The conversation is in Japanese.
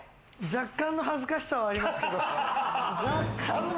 若干の恥ずかしさはありますけど。